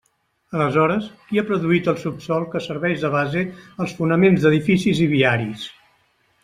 Aleshores, ¿qui ha produït el subsòl que serveix de base als fonaments d'edificis i viaris?